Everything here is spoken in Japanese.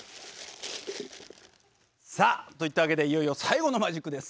さあといったわけでいよいよ最後のマジックです。